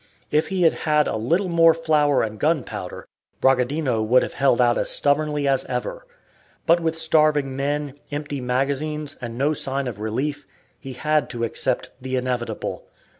If he had had a little more flour and gunpowder, Bragadino would have held out as stubbornly as ever. But with starving men, empty magazines, and no sign of relief, he had to accept the inevitable.